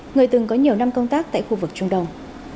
người từng có nhiều năm công tác tại khu vực trung đông